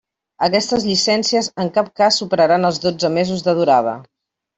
Aquestes llicències en cap cas superaran els dotze mesos de durada.